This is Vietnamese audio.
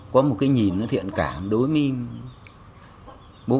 có một cái nhìn nó thiện cảm đối với bố con tôi